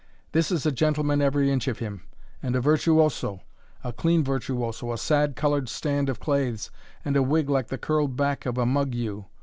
This is a gentleman every inch of him, and a virtuoso, a clean virtuoso a sad coloured stand of claithes, and a wig like the curled back of a mug ewe.